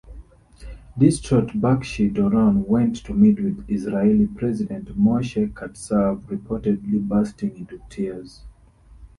Distraught, Bakshi-Doron went to meet with Israeli President Moshe Katsav, reportedly bursting into tears.